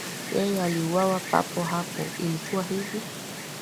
Yeye aliuawa papo hapo Ilikuwa hivi